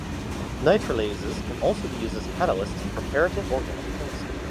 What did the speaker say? Nitrilases can also be used as catalysts in preparative organic chemistry.